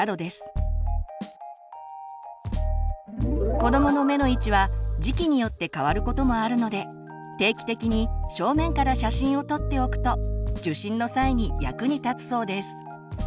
子どもの目の位置は時期によって変わることもあるので定期的に正面から写真を撮っておくと受診の際に役に立つそうです。